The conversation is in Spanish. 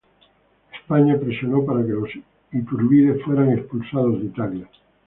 España presionó para que los Iturbide fueran expulsados de Italia.